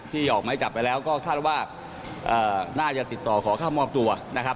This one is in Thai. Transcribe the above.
ออกไม้จับไปแล้วก็คาดว่าน่าจะติดต่อขอเข้ามอบตัวนะครับ